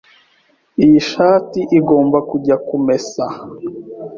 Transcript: Iyi shati igomba kujya kumesa.